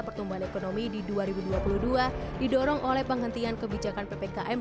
pertumbuhan ekonomi di dua ribu dua puluh dua didorong oleh penghentian kebijakan ppkm